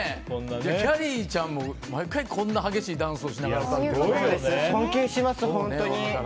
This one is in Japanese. きゃりーちゃんも毎回こんな激しいダンスを尊敬します、本当に。